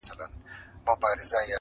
په ځنځیر د دروازې به هسي ځان مشغولوینه؛